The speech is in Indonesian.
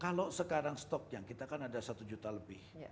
kalau sekarang stoknya kita kan ada satu juta lebih